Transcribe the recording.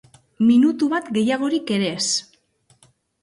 Minutu bat gehiagorik ere ez!